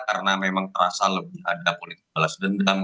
karena memang terasa lebih ada politik balas dendam